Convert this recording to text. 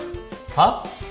はっ？